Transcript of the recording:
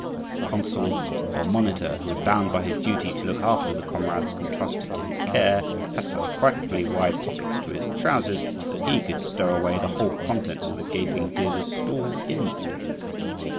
The consul or monitor, who was bound by his duty to look after the comrades entrusted to his care, had such frightfully wide pockets to his trousers that he could stow away the whole contents of the gaping dealer's stall in them.